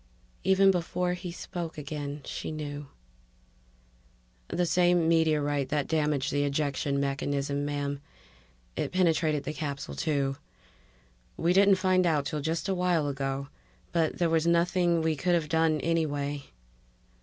Even before he spoke again, she knew "The same meteorite that damaged the ejection mechanism, ma'am. It penetrated the capsule, too. We didn't find out till just a while ago but there was nothing we could have done anyway